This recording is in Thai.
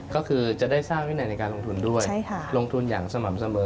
ก็คือจะได้สร้างวินัยในการลงทุนด้วยลงทุนอย่างสม่ำเสมอ